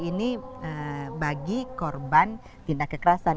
ini bagi korban tindak kekerasan